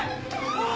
おい！